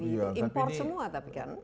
import semua tapi kan